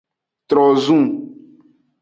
Trozun.